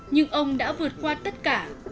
nhưng ông đã vượt qua tất cả